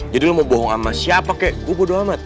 jadi lo mau bohong sama siapa kek gue bodo amat